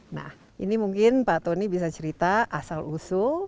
nah ini mungkin pak tony bisa cerita asal usul